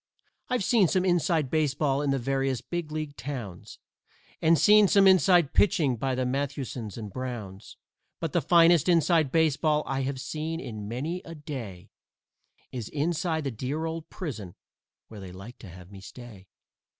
I've seen some "inside" baseball in the various big league towns, And seen some "inside" pitching by the Mathewsons and Browns, But the finest "inside" baseball I have seen in many a day Is inside the dear old prison, where they like to have me stay.